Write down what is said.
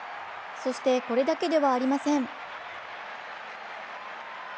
そして、これだけではありません。